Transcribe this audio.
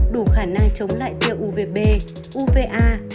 đủ khả năng chống lại tiêu uvb uva